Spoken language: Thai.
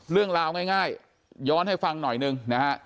เรื่องราวง่ายย้อนให้ฟังหน่อยหนึ่งนะฮะ